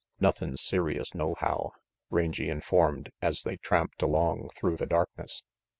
"Nothin' serious nohow," Rangy informed, as they tramped along through the darkness.